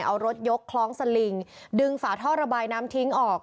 เอารถยกคล้องสลิงดึงฝาท่อระบายน้ำทิ้งออก